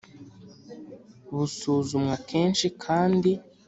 busuzumwa kenshi kandi